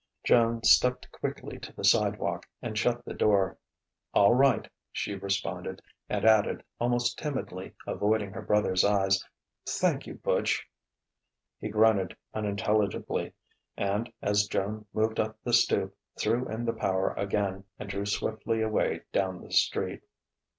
Joan stepped quickly to the sidewalk, and shut the door. "All right," she responded, and added, almost timidly, avoiding her brother's eyes: "Thank you, Butch." He grunted unintelligibly and, as Joan moved up the stoop, threw in the power again and drew swiftly away down the street.